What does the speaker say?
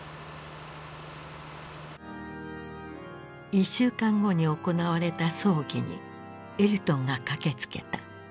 １週間後に行われた葬儀にエルトンが駆けつけた。